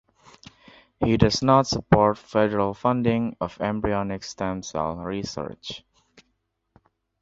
He does not support federal funding of embryonic stem cell research.